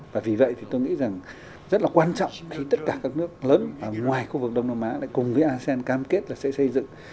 và vì vậy thì tôi nghĩ rằng rất là quan trọng khi tất cả các nước lớn ngoài khu vực đông nam á lại cùng với asean cam kết là sẽ xây dựng